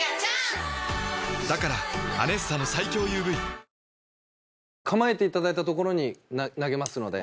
だから「アネッサ」の最強ＵＶ構えていただいた所に投げますので。